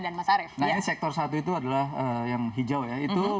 nah ini sektor satu itu adalah yang hijau ya